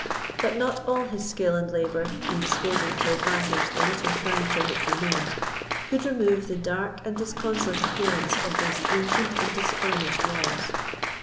But not all his skill and labour, in disposing to advantage the little furniture which remained, could remove the dark and disconsolate appearance of those ancient and disfurnished walls.